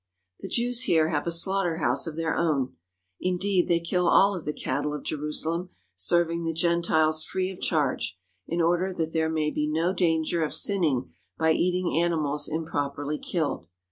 The Jews here have a slaughter house of their own. Indeed, they kill all of the cattle of Jerusalem, serving the Gentiles free of charge, in order that there may be no danger of sinning by eating animals improperly killed.